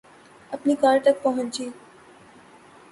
اپنی کار تک پہنچی